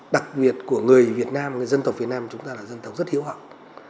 đặc biệt của người việt nam dân tộc việt nam chúng ta là dân tộc rất hiếu hỏng